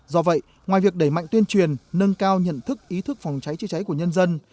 do vậy ngoài việc đẩy mạnh tuyên truyền nâng cao nhận thức ý thức phòng cháy chữa cháy của nhân dân